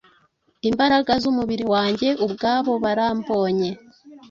Imbaraga zumubiri wanjye ubwabo barambonye